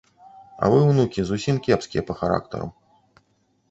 А вы, унукі, зусім кепскія па характару.